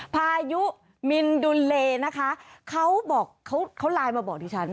พายุมินดุลเลนะคะเขาบอกเขาไลน์มาบอกดิฉัน